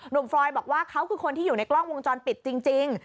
ฟรอยบอกว่าเขาคือคนที่อยู่ในกล้องวงจรปิดจริง